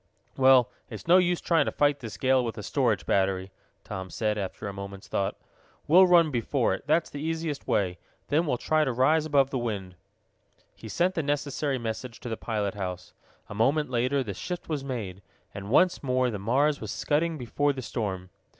"Well, no use trying to fight this gale with the storage battery," Tom said, after a moment's thought. "We'll run before it. That's the easiest way. Then we'll try to rise above the wind." He sent the necessary message to the pilot house. A moment later the shift was made, and once more the Mars was scudding before the storm.